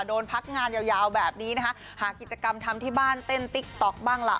โดนพักงานยาวยาวแบบนี้นะคะหากิจกรรมทำที่บ้านเต้นติ๊กต๊อกบ้างล่ะ